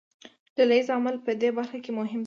ډله ییز عمل په دې برخه کې مهم دی.